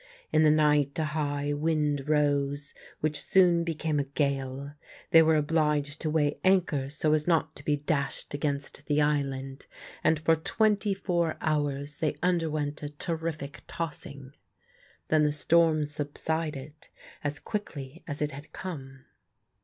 In the night a high wind rose, which soon became a gale; they were obliged to weigh anchor so as not to be dashed against the island, and for twenty four hours they underwent a terrific tossing. Then the storm subsided as quickly as it had come.